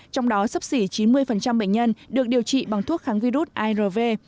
trong đó sấp xỉ chín mươi bệnh nhân được điều trị bằng thuốc kháng virus arv